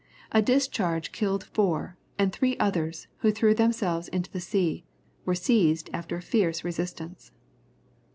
A discharge killed four, and three others, who threw themselves into the sea, were seized after a fierce resistance.